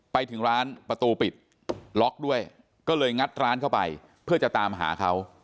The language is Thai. ไปถึงร้านประตูปิดล็อกด้วยก็เลยงัดร้านเข้าไปเพื่อจะตามหาเขา